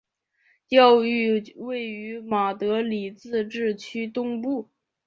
教区位于马德里自治区东部。